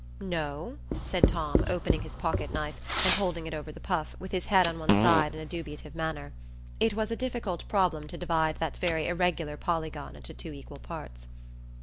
"No," said Tom, opening his pocket knife and holding it over the puff, with his head on one side in a dubitative manner. (It was a difficult problem to divide that very irregular polygon into two equal parts.)